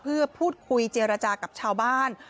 เพื่อพูดคุยเจรจากับชาวบ้าน